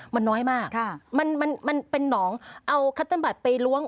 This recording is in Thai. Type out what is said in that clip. มันน้อยมากมันเป็นหนองเอาคัตเติ้ลบัตรไปล้วง